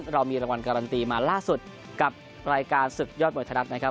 เรามีรางวัลการันตีมาล่าสุดกับรายการศึกยอดมวยไทยรัฐนะครับ